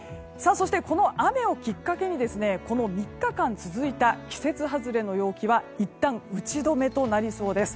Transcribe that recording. そして、この雨をきっかけにこの３日間続いた季節外れの陽気は、いったん打ち止めとなりそうです。